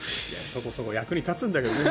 そこそこ役に立つんだけどね。